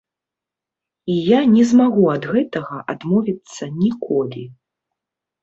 І я не змагу ад гэтага адмовіцца ніколі.